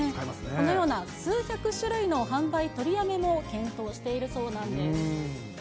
このような数百種類の販売取りやめも検討しているそうなんです。